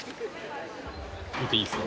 見ていいですか？